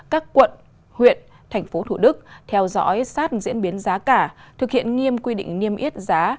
các quận huyện tp hcm theo dõi sát diễn biến giá cả thực hiện nghiêm quy định niêm yết giá